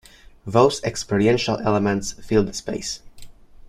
Those experiential elements fill the space.